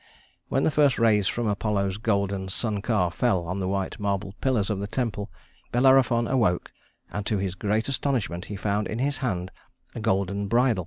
When the first rays from Apollo's golden sun car fell on the white marble pillars of the temple, Bellerophon awoke, and to his great astonishment he found in his hand a golden bridle.